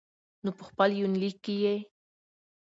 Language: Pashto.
نو په خپل يونليک کې يې